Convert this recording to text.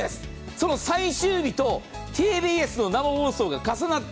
その最終日とＴＢＳの生放送が重なって。